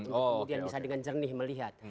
untuk kemudian bisa dengan jernih melihat